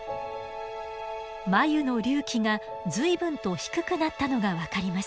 眉の隆起が随分と低くなったのが分かります。